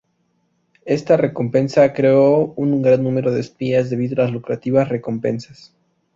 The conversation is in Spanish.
Esta recompensa creó un gran número de espías debido a las lucrativas recompensas.